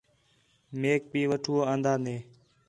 میک بھی وٹھو آندا دیں